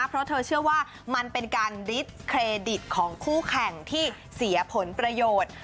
เพราะเธอเชื่อว่ามันเป็นการดิสเครดิตของคู่แข่งที่เสียผลประโยชน์